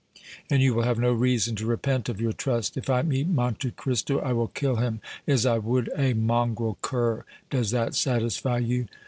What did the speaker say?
"And you will have no reason to repent of your trust. If I meet Monte Cristo I will kill him as I would a mongrel cur! Does that satisfy you?"